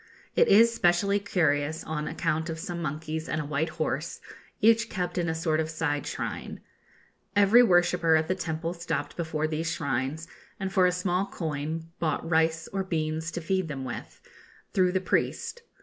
It is specially curious on account of some monkeys and a white horse, each kept in a sort of side shrine. Every worshipper at the temple stopped before these shrines, and for a small coin bought rice or beans to feed them with, through the priest.